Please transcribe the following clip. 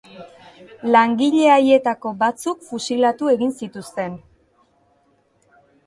Langile haietako batzuk fusilatu egin zituzten.